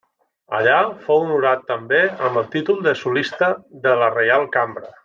Allà fou honorat també amb el títol de solista de la Reial Cambra.